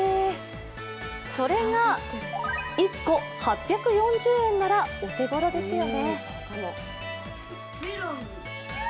それが１個８４０円ならお手頃ですよね。